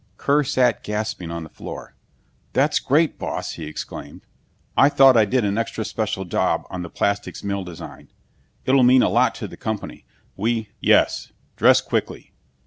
Kear sat gasping on the floor. "That's great, boss!" he exclaimed. "I thought I did an extra special job on the plastics mill design. It'll mean a lot to the company. We " "Yes. Dress quickly."